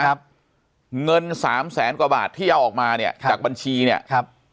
ครับเงินสามแสนกว่าบาทที่เอาออกมาเนี่ยจากบัญชีเนี่ยครับ